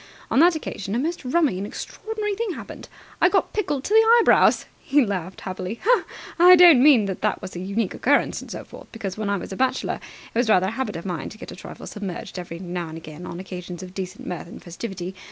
On that occasion a most rummy and extraordinary thing happened. I got pickled to the eyebrows!" He laughed happily. "I don't mean that that was a unique occurrence and so forth, because, when I was a bachelor, it was rather a habit of mine to get a trifle submerged every now and again on occasions of decent mirth and festivity.